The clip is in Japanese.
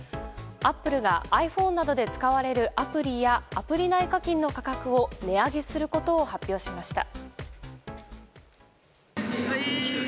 アップルがｉＰｈｏｎｅなどで使われるアプリやアプリ内課金の価格を値上げすることを発表しました。